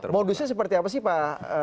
modusnya seperti apa sih pak